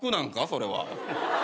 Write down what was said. それは。